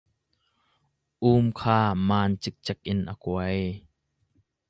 Um kha maan cikcek in a kuai.